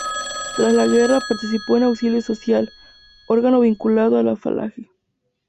Tras la guerra, participó en Auxilio Social, órgano vinculado a la Falange.